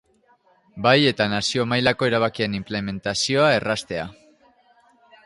Bai eta nazio-mailako erabakien inplementazioa erraztea.